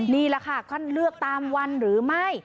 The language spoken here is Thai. นี่แหละค่ะท่านเลือกตามวันหรือไม่